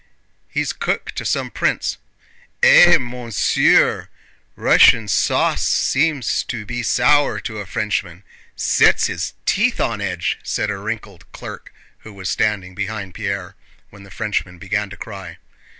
"He's cook to some prince." "Eh, mounseer, Russian sauce seems to be sour to a Frenchman... sets his teeth on edge!" said a wrinkled clerk who was standing behind Pierre, when the Frenchman began to cry.